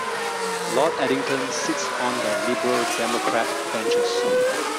Lord Addington sits on the Liberal Democrat benches.